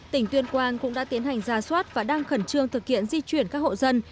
tỉnh tuyên quang cũng đã tiến hành ra soát và đang khẩn trương thực hiện di chuyển các hộ dân